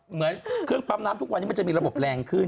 เหมือนเครื่องปั๊มน้ำทุกวันนี้มันจะมีระบบแรงขึ้น